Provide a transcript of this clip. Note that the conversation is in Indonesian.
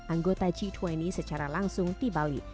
anggota citwini secara langsung di bali